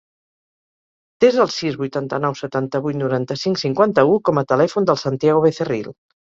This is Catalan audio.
Desa el sis, vuitanta-nou, setanta-vuit, noranta-cinc, cinquanta-u com a telèfon del Santiago Becerril.